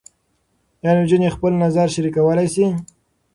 ایا نجونې خپل نظر شریکولی شي؟